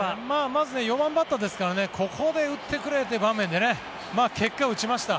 まず４番バッターですからここで打ってくれという場面で結果、打ちました。